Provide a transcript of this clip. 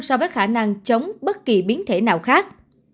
so với khả năng chống bất kỳ biến thể nào khác